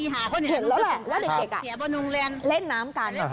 เห็นแล้วเหรอว่าเด็กอ่ะเล่นน้ำกัน